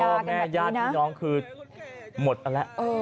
เพราะว่าแม่ย่านพี่น้องคืออาจหมดอะไร